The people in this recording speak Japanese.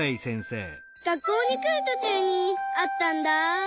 学校にくるとちゅうにあったんだ。